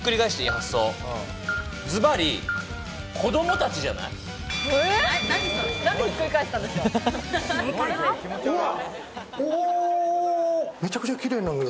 ズバリ、子供たちじゃない？